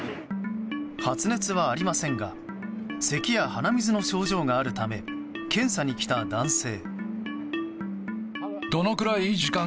発熱はありませんがせきや鼻水の症状があるため検査に来た男性。